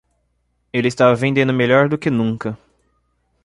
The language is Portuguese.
Ele estava vendendo melhor do que nunca.